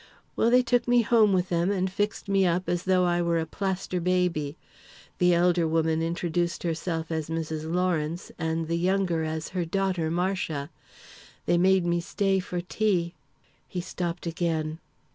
"Well, they took me home with them and fixed me up as though I were a plaster baby. The elder woman introduced herself as Mrs. Lawrence and the younger as her daughter Marcia. They made me stay for tea " He stopped again.